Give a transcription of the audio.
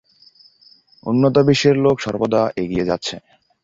উন্নত বিশ্বের লােক সর্বদা এগিয়ে যাচ্ছে।